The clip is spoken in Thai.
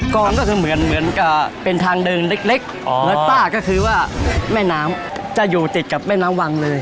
กองก็คือเหมือนกับเป็นทางเดินเล็กแล้วต้าก็คือว่าแม่น้ำจะอยู่ติดกับแม่น้ำวังเลย